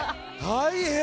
大変！